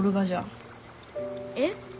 えっ？